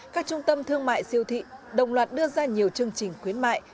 các trung tâm thương mại siêu thị đồng loạt đưa ra nhiều chương trình khuyến mại